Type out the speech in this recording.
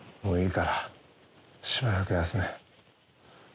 もういいから、しばらく休め。